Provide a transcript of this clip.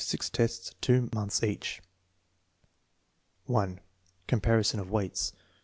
(6 tests, 8 montJts each.) 1. Comparison of weights.